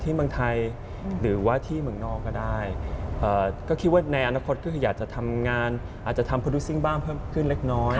เมืองไทยหรือว่าที่เมืองนอกก็ได้ก็คิดว่าในอนาคตก็คืออยากจะทำงานอาจจะทำโปรดิวซิ่งบ้างเพิ่มขึ้นเล็กน้อย